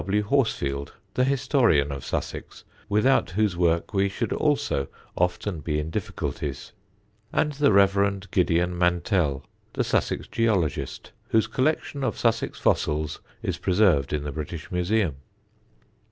W. Horsfield, the historian of Sussex, without whose work we should also often be in difficulties; and the Rev. Gideon Mantell, the Sussex geologist, whose collection of Sussex fossils is preserved in the British Museum.